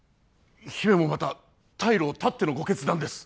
姫もまた退路を断ってのご決断です